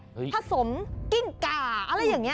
ผสมกิ้งก่าอะไรอย่างนี้